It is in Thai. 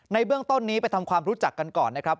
ในเบื้องต้นนี้ไปทำความรู้จักกันก่อนนะครับ